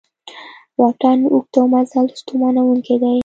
واټن اوږد او مزل ستومانوونکی دی